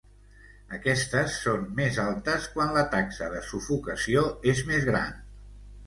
Aquestes són més altes quan la taxa de sufocació és més gran.